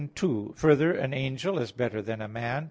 2: Further, an angel is better than a man.